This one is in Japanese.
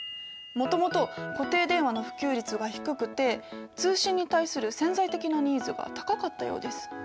もともと固定電話の普及率が低くて通信に対する潜在的なニーズが高かったようです。